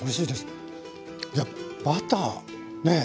いやバターねえ